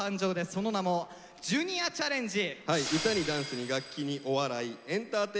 その名も「ジュニアチャレンジ」。